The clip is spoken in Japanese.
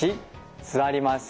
座ります。